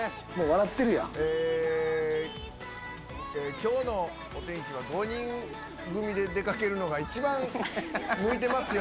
今日のお天気は５人組で出掛けるのが一番向いてますよ！